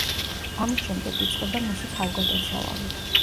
ამის შემდეგ იწყება მისი თავგადასავალი.